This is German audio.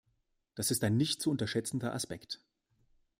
Das ist ein nicht zu unterschätzender Aspekt.